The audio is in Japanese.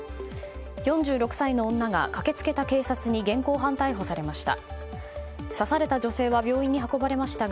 ４６歳の女が、駆け付けた警察に現行犯逮捕されました。